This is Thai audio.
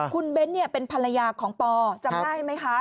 คุณเบ้นเป็นภรรยาของปอจำได้ไหมคะ